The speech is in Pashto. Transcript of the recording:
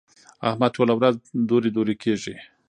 احمد ټوله ورځ دورې دورې کېږي.